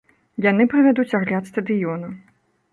Яны правядуць агляд стадыёна.